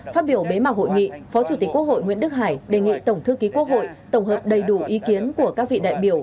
phát biểu bế mạc hội nghị phó chủ tịch quốc hội nguyễn đức hải đề nghị tổng thư ký quốc hội tổng hợp đầy đủ ý kiến của các vị đại biểu